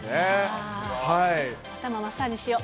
頭マッサージしよう。